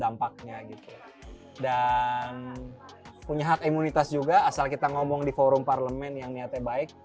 dampaknya gitu dan punya hak imunitas juga asal kita ngomong di forum parlemen yang niatnya baik